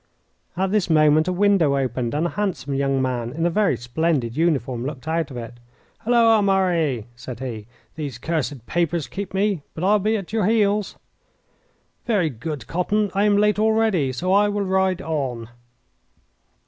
At this moment a window opened, and a handsome young man in a very splendid uniform looked out of it. "Halloa, Murray!" said he. "These cursed papers keep me, but I will be at your heels." "Very good, Cotton. I am late already, so I will ride on."